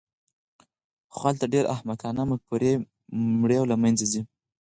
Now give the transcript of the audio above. خو هلته ډېرې احمقانه مفکورې مري او له منځه ځي.